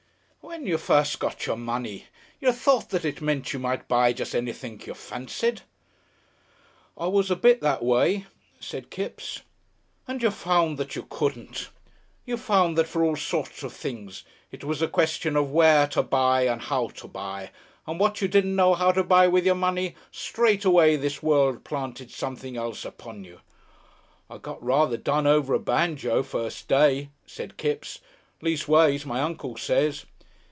When you first got your money, you thought that it meant you might buy just anything you fancied?" "I was a bit that way," said Kipps. "And you found that you couldn't. You found that for all sorts of things it was a question of where to buy and how to buy, and what you didn't know how to buy with your money, straight away this world planted something else upon you " "I got rather done over a banjo first day," said Kipps. "Leastways, my Uncle says."